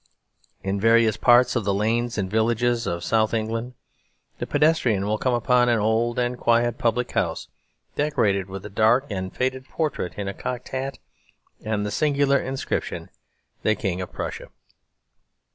In various parts of the lanes and villages of South England the pedestrian will come upon an old and quiet public house, decorated with a dark and faded portrait in a cocked hat and the singular inscription, "The King of Prussia."